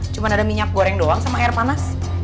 cuma ada minyak goreng doang sama air panas